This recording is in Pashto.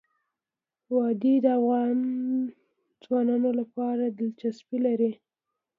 وادي د افغان ځوانانو لپاره دلچسپي لري.